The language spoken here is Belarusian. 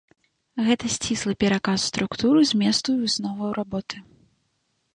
Гэта сціслы пераказ структуры, зместу і высноваў работы.